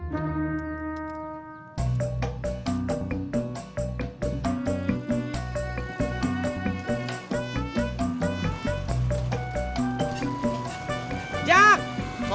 sekarang kita muncul